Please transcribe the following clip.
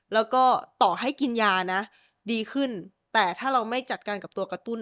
แล้วก็ต่อให้กินยานะดีขึ้นแต่ถ้าเราไม่จัดการกับตัวกระตุ้น